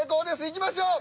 いきましょう！